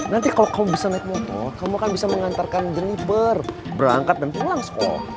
nanti kalau kamu bisa naik motor kamu akan bisa mengantarkan driver berangkat dan pulang sekolah